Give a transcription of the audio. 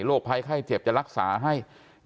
ภัยไข้เจ็บจะรักษาให้